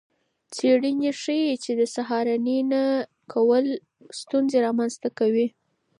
څیړنې ښيي چې د سهارنۍ نه کول ستونزې رامنځته کوي.